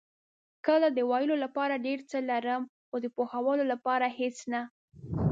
کله د ویلو لپاره ډېر څه لرم، خو د پوهولو لپاره هېڅ نه.